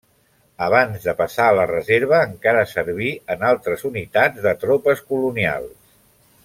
Abans de passar a la reserva encara serví en altres unitats de tropes colonials.